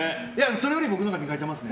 それより僕のほうが磨いてますね。